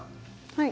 はい。